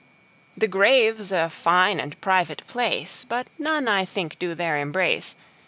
The Grave's a fine and private place, But none I think do there embrace.